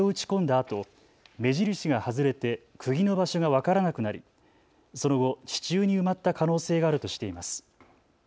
あと目印が外れてくぎの場所が分からなくなりその後、地中に埋まった可能性があるとしています。